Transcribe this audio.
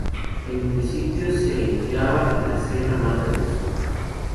El municipio se enclava en la Sierra Madre del Sur.